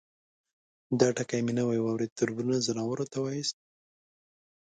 _دا ټکی مې نوی واورېد، تربرونه ، ځناورو ته واياست؟